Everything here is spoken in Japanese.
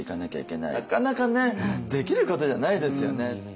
なかなかねできることじゃないですよね。